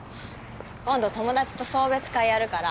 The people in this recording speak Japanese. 今度友達と送別会やるから